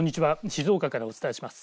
静岡からお伝えします。